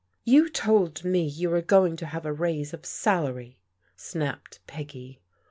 "You told me you were going to have a raise of salary," snapped Peggy.